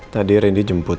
tadi rendy jemput